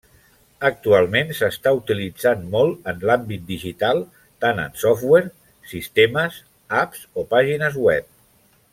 Actualment s’està utilitzant molt en l’àmbit digital tant en software, sistemes, apps o pàgines web.